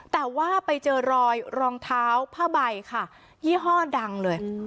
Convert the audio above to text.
แต่ว่าไปเจอรอยรองเท้าผ้าใบค่ะยี่ห้อดังเลย